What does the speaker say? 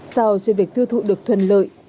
sau cho việc tiêu thụ được thuần lợi